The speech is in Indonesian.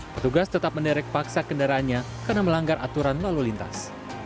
petugas tetap menderek paksa kendaraannya karena melanggar aturan lalu lintas